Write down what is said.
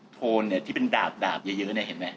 โทนเนี่ยที่เป็นดาบเยอะเนี่ยเห็นไหม